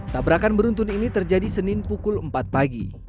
tabrakan beruntun ini terjadi senin pukul empat pagi